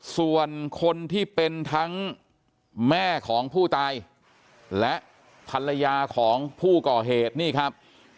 ส่วนคนที่เป็นทั้งแม่ของผู้ตายและภรรยาของผู้ก่อเหตุนี่ครับ